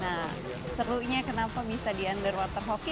nah serunya kenapa bisa di underwater hoki